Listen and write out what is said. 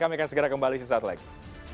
kami akan segera kembali di saat lain